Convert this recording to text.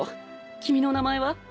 君の名前は？